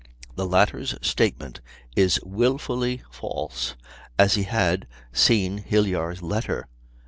The latter's statement is wilfully false, as he had seen Hilyar's letter.